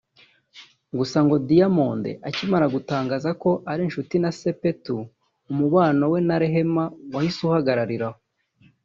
Gusa ngo Diamond akimara gutangaza ko ari inshuti na Sepetu umubano we na Rehema wahise uhagararira aho